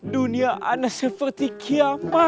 dunia anak seperti kiamat